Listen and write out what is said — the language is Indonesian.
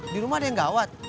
di rumah ada yang gawat